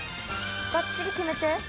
ばっちり決めて。